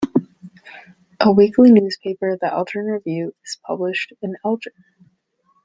A weekly newspaper, "The Elgin Review", is published in Elgin.